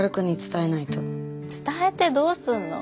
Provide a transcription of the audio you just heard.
伝えてどうすんの？